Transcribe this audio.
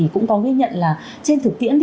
cũng có ghi nhận là trên thực tiễn